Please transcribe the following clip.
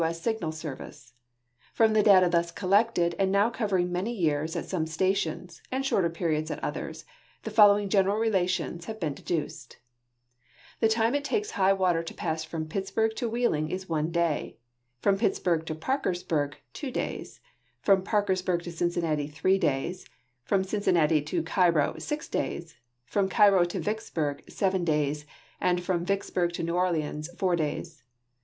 S. Signal Service. From the data thus collected and now covering many years at some stations and shorter periods at others, the following general relations have been deduced : The time it takes high water to pass from Pittsburg to Wheeling is one day; from Pittsburg to Parkersburg, two days; from Park ensburg to Cincinnati, three days; from Cincinnati to Cairo, six days ; from Cairo to Vicksburg, seven days, and from Vicksburg to New Orleans, four days.